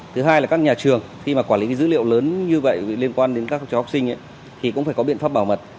thứ hai là các nhà trường khi mà quản lý dữ liệu lớn như vậy liên quan đến các cháu học sinh thì cũng phải có biện pháp bảo mật